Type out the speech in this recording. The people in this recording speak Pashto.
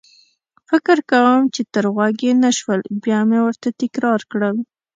فکر کوم چې تر غوږ يې نه شول، بیا مې ورته تکرار کړل.